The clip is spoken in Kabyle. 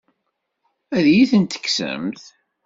Ad iyi-tent-tekksemt?